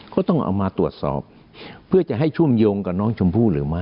ก็ต้องเอามาตรวจสอบ